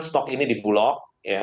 stok ini di bulog